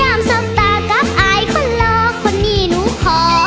อ่านสับตากับอายคนล้อคนนี้หนูห่อ